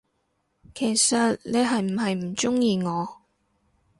其實你係唔係唔鍾意我，？